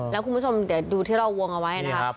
แล้วคุณผู้ชมเดี๋ยวดูที่เราวงเอาไว้นะครับ